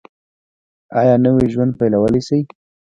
ایا نوی ژوند پیلولی شئ؟